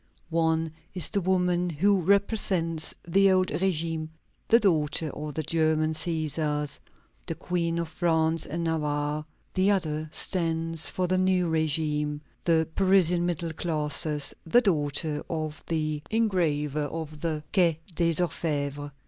One is the woman who represents the old régime the daughter of the German Cæsars, the Queen of France and Navarre; the other stands for the new régime, the Parisian middle classes the daughter of the engraver of the Quai des Orfèvres.